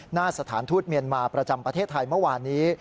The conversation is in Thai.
หน้าสถานทูตเมียนมาประจำประเทศไทยเมื่อวานนี้